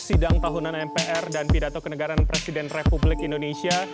sidang tahunan mpr dan pidato kenegaran presiden republik indonesia